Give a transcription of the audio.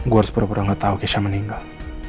gue harus berubah ubah gak tahu keisha meninggal